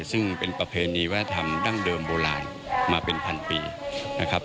ซึ่งเป็นประเพณีวัฒนธรรมดั้งเดิมโบราณมาเป็นพันปีนะครับ